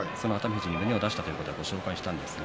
富士に胸を出したということを紹介しました。